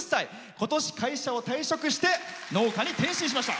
今年、会社を退職して農家に転身しました。